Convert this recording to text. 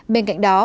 bên cạnh đó